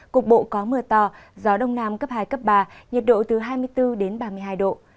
cục bộ có mưa to gió đông nam cấp hai cấp ba nhiệt độ từ hai mươi bốn đến ba mươi hai độ